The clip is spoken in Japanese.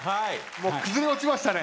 もう崩れ落ちましたね。